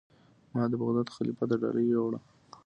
ما د بغداد خلیفه ته ډالۍ یووړه.